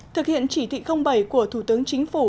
thực hiện chỉ thị bảy của thủ tướng chính phủ